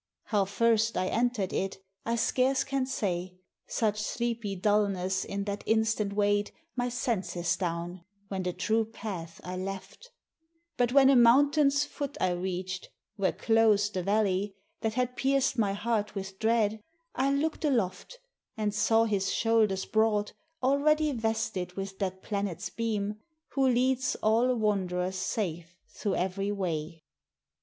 How first I enter'd it I scarce can say, Such sleepy dullness in that instant weigh'd My senses down, when the true path I left, But when a mountain's foot I reach'd, where clos'd The valley, that had pierc'd my heart with dread, I look'd aloft, and saw his shoulders broad Already vested with that planet's beam, Who leads all wanderers safe through every way.